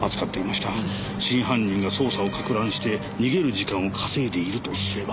真犯人が捜査をかく乱して逃げる時間を稼いでいるとすれば。